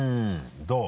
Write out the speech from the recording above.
どう？